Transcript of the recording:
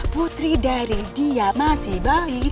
putri dari dia masih bali